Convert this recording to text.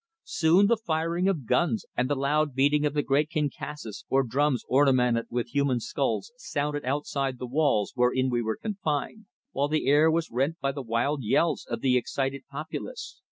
Soon the firing of guns and the loud beating of the great kinkassis, or drums ornamented with human skulls, sounded outside the walls wherein we were confined, while the air was rent by the wild yells of the excited populace.